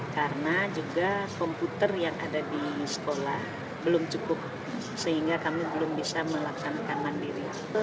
karena juga komputer yang ada di sekolah belum cukup sehingga kami belum bisa melaksanakan mandiri